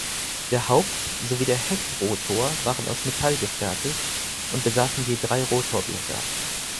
Der Haupt- sowie der Heckrotor waren aus Metall gefertigt und besaßen je drei Rotorblätter.